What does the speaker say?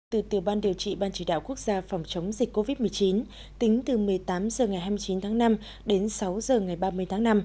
từ tiểu ban điều trị ban chỉ đạo quốc gia phòng chống dịch covid một mươi chín tính từ một mươi tám h ngày hai mươi chín tháng năm đến sáu h ngày ba mươi tháng năm